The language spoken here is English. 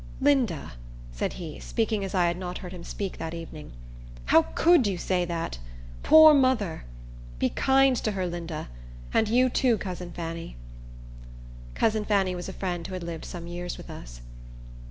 "Linda," said he, speaking as I had not heard him speak that evening, "how could you say that? Poor mother! be kind to her, Linda; and you, too, cousin Fanny." Cousin Fanny was a friend who had lived some years with us.